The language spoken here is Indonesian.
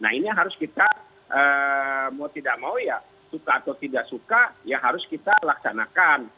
nah ini harus kita mau tidak mau ya suka atau tidak suka ya harus kita laksanakan